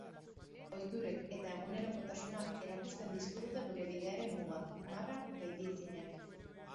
Ohiturek eta egunerokotasunak erakusten dizkigute gure bidearen mugak, marra gaindiezinak.